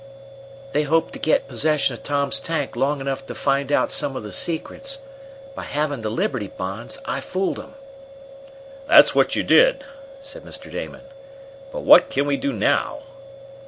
"They hoped to get possession of Tom's tank long enough to find out some of the secrets. By having the Liberty Bonds, I fooled 'em." "That's what you did!" said Mr. Damon. "But what can we do now?"